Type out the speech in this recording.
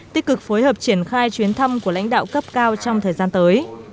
tích cực phối hợp triển khai chuyến thăm của lãnh đạo cấp cao trong thời gian tới